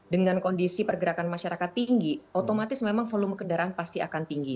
dengan kondisi pergerakan masyarakat tinggi otomatis memang volume kendaraan pasti akan tinggi